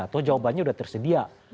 atau jawabannya udah tersedia